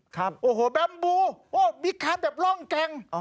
ครับโอ้โฮแบมบูโอ้โฮวิคารแบบร่องแกง